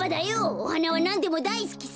おはなはなんでもだいすきさ。